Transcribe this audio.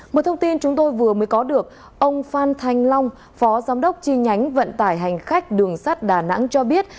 một thông tin chúng tôi vừa mới có được ông phan thanh long phó giám đốc chi nhánh vận tải hành khách đường sắt đà nẵng cho biết